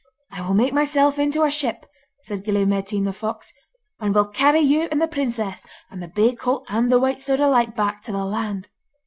'I will make myself into a ship,' said Gille Mairtean the fox, 'and will carry you and the princess, and the bay colt and the White Sword of Light, back to the land.